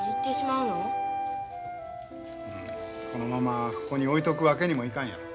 うんこのままここに置いとくわけにもいかんやろ。